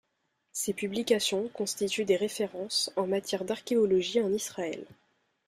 Ces publications constituent des références en matière d'archéologie en Israël.